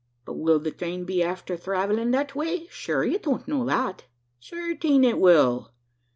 "But will the thrain be afther thravellin' that way? Shure ye don't know that." "Certing it will.